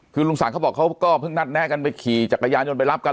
คือลุงศักดิ์เขาบอกเขาก็เพิ่งนัดแนะกันไปขี่จักรยานยนต์ไปรับกัน